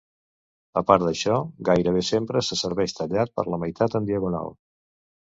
A part d'això, gairebé sempre se serveix tallat per la meitat en diagonal.